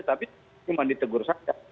tapi cuma ditegur saja